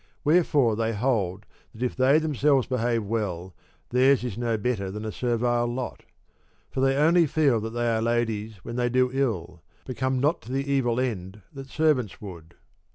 Wherefore they hold that if they themselves behave well theirs is no better than a servile lot ; for they only feel that they are ladies when they do ill, but come not to the evil end that servants would.